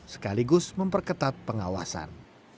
sekaligus memperketat pengawasan